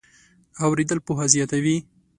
اورېدل پوهه زیاتوي.